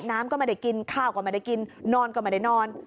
น้ำก็ไม่ได้กินข้าวก็ไม่ได้กินนอนก็ไม่ได้นอน